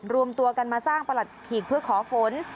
รวมตัวกันมาสร้างประหลัดขีกเพื่อขอฝน